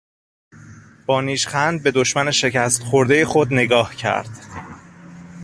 با نیشخند به دشمن شکست خوردهی خود نگاه کرد.